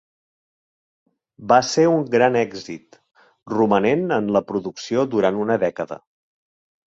Va ser un gran èxit, romanent en la producció durant una dècada.